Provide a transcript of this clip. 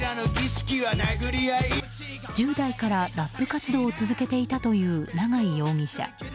１０代からラップ活動を続けていたという永井容疑者。